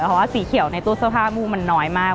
เพราะว่าสีเขียวในตู้เสื้อผ้ามูมันน้อยมาก